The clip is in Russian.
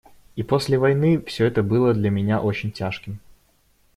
И после войны все это было для меня очень тяжким.